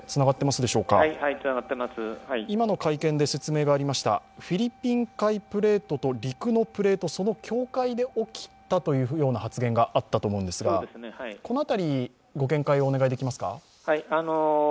今の会見で説明がありましたフィリピン海プレートと陸のプレートの境界で起きたという発言があったと思うんですが、この辺り、ご見解をお願いできますか。